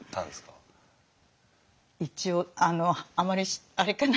一応あのあまりあれかな。